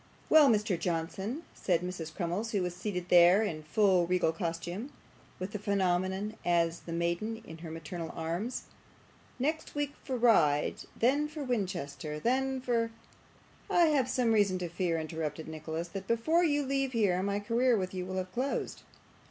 'Well, Mr. Johnson,' said Mrs. Crummles, who was seated there in full regal costume, with the phenomenon as the Maiden in her maternal arms, 'next week for Ryde, then for Winchester, then for ' 'I have some reason to fear,' interrupted Nicholas, 'that before you leave here my career with you will have closed.